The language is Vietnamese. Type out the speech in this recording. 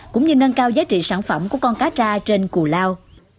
cũng như nâng cao giá trị sản phẩm của con cá tra trên cù lao